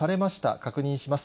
確認します。